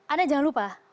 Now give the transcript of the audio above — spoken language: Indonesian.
anda jangan lupa